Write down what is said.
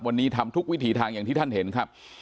วันนี้ทำทุกวิถีทางอย่างที่ท่านเห็นครับ